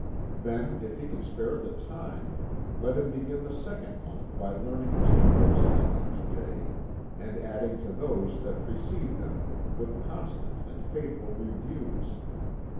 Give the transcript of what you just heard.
Then, if he can spare the time, let him begin the second month by learning two verses each day, and adding to those that precede them, with constant and faithful reviews.